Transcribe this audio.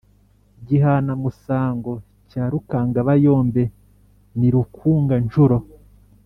Gihanamusango cya Rukangabayombe ni Rukunga-ncuro